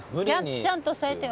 ちゃんと伝えてよ。